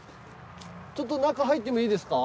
ちょっと中入ってもいいですか？